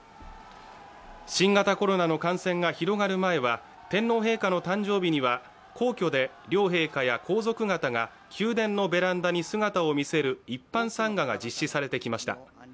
新型コロナの感染が広がる前は天皇陛下の誕生日には皇居で両陛下や皇族方が宮殿のベランダに姿を見せる一般参賀が実施されてきました。